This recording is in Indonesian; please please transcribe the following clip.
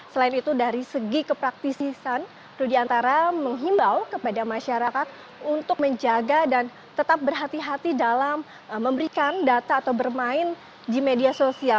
selain itu dari segi kepraktisisan rudiantara menghimbau kepada masyarakat untuk menjaga dan tetap berhati hati dalam memberikan data atau bermain di media sosial